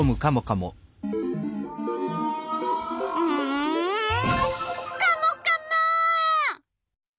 んカモカモッ！